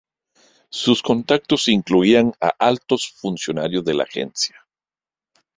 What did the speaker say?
Sus contactos incluían a altos funcionarios de la agencia.